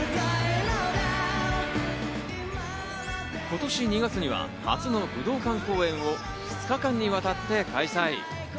今年２月には初の武道館公演を２日間にわたって開催。